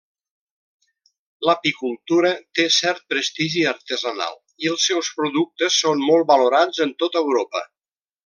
L'apicultura té cert prestigi artesanal i els seus productes són molt valorats en tota Europa.